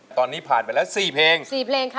ตอนนี้ผ่านไปแล้ว๔เพลง๔เพลงค่ะ